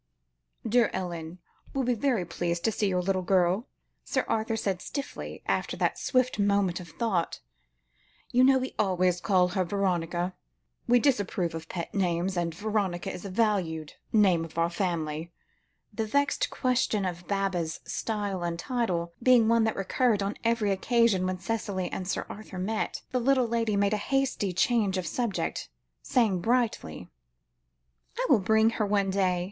"Dear Ellen will be very pleased to see your little girl," Sir Arthur said stiffly, after that swift moment of thought. "You know we always call her Veronica. We disapprove of pet names, and Veronica is a valued name in our family." The vexed question of Baba's style and title, being one that recurred on every occasion when Cicely and Sir Arthur met, the little lady made a hasty change of subject, saying brightly: "I will bring her one day.